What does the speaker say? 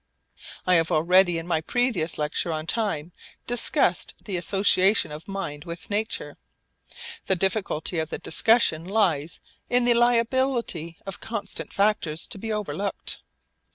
I have already in my previous lecture on Time discussed the association of mind with nature. The difficulty of the discussion lies in the liability of constant factors to be overlooked.